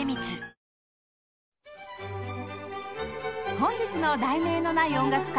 本日の『題名のない音楽会』